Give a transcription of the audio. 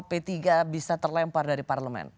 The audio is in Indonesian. p tiga bisa terlempar dari parlemen